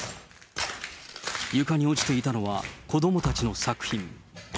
床に落ちていたのは子どもたちの作品。